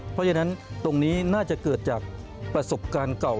เพราะฉะนั้นตรงนี้น่าจะเกิดจากประสบการณ์เก่า